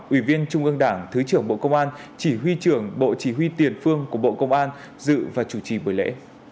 ủy viên trung ương đảng thứ trưởng bộ công an chỉ huy trưởng bộ chỉ huy tiền phương của bộ công an dự và chủ trì buổi lễ